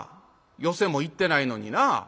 寄席も行ってないのになぁ。